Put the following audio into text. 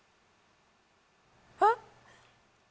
えっ？